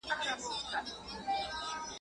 o جنگ، جنگ، جنگ، دوه پله اخته کې، ما ځيني گوښه کې.